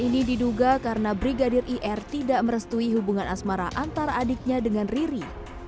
ini diduga karena brigadir ir tidak merestui hubungan asmara antara adiknya dengan riri